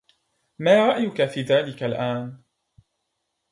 ما رأيك في ذلك الآن؟